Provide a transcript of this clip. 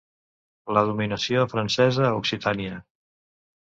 La dominació francesa a Occitània.